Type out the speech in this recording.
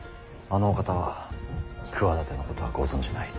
あのお方は企てのことはご存じない。